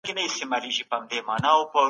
د بهرنیو ډیپلوماټانو تګ راتګ په کلکه څارل کیږي.